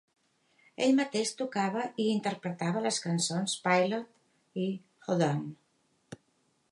Es mateix tocava i interpretava les cançons "Pilot" i "Hold On".